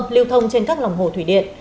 liêu thông trên các lòng hồ thủy điện